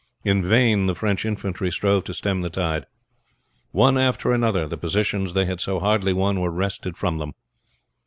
In vain the French infantry strove to stem the tide. One after another the positions they had so hardly won were wrested from them.